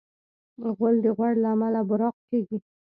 غول د غوړ له امله براق کېږي.